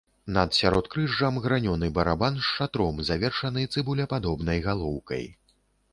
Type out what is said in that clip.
Над сяродкрыжжам гранёны барабан з шатром, завершаны цыбулепадобнай галоўкай.